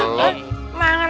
kamu tuh apa apaan sih